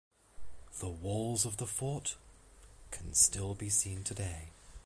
The walls of the fort can still be seen today.